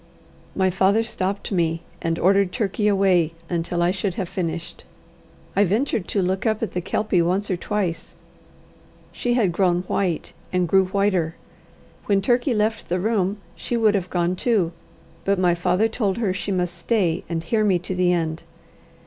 My father stopped me, and ordered Turkey away until I should have finished. I ventured to look up at the Kelpie once or twice. She had grown white, and grew whiter. When Turkey left the room, she would have gone too. But my father told her she must stay and hear me to the end.